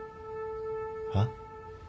はっ？